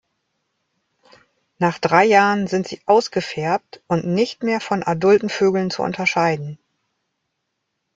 Nach drei Jahren sind sie ausgefärbt und nicht mehr von adulten Vögeln zu unterscheiden.